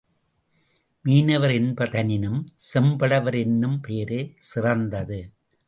மீனவர் என்ப தனினும் செம்படவர் என்னும் பெயரே சிறந்தது.